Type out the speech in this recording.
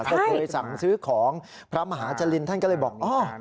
ก็เคยสั่งซื้อของพระมหาจรินท่านก็เลยบอกอ๋อ